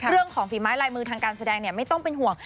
เรื่องของฝีม้ายรายมือทางการแสดงไม่ต้องเป็นห่วง